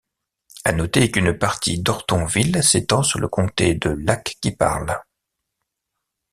À noter qu’une partie d’Ortonville s’étend sur le comté de Lac qui Parle.